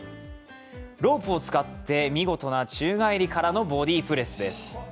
ロープを使って見事な宙返りからのボディープレスです。